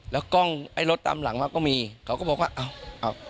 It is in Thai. แล้วกล้องไอ้รถตามหลังมาก็มีเขาก็บอกว่าอ้าว